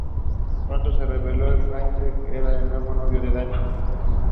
The pair rapidly fall in love.